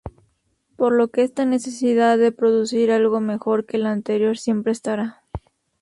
Por lo que esta necesidad de producir algo mejor que el anterior siempre estará".